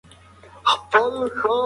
دا جوړښتونه ډېر شمېر لري.